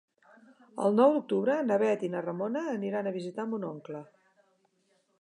El nou d'octubre na Bet i na Ramona aniran a visitar mon oncle.